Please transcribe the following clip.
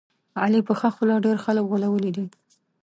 علي په ښه خوله ډېر خلک غولولي دي.